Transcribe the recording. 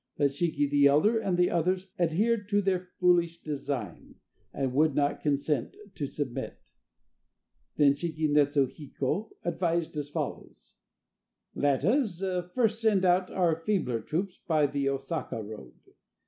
But Shiki the elder and the others adhered to their foolish design, and would not consent to submit. Then Shiki netsu hiko advised as follows: "Let us first send out our feebler troops by the Osaka road.